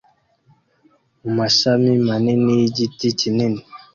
mumashami manini yigiti kinini